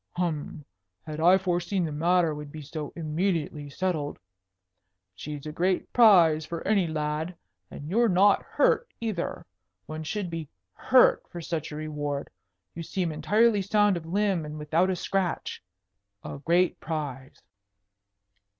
Hum! Had I foreseen the matter would be so immediately settled she's a great prize for any lad and you're not hurt either. One should be hurt for such a reward. You seem entirely sound of limb and without a scratch. A great prize."